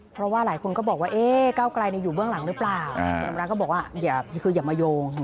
เพราะว่าหลายคนก็บอกว่าเอ๊ะก้าวไกลเนี่ยอยู่เบื้องหลังหรือเปล่า